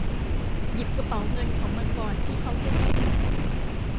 หยิบกระเป๋าเงินเขามาก่อนที่เค้าจะเห็น